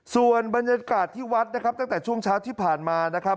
ส่วนบรรยากาศที่วัดนะครับตั้งแต่ช่วงเช้าที่ผ่านมานะครับ